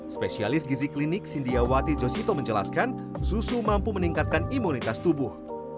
spesialis gizi klinik sindiawati josito menjelaskan susu mampu meningkatkan imunitas tubuh